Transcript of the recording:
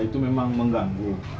ya itu memang mengganggu